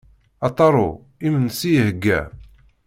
A Taro, imensi iheyya.